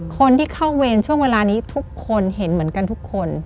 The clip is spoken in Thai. คนที่เข้าเวรช่วงเวลานี้ทุกคนเห็นเหมือนกันทุกคน